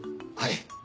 はい。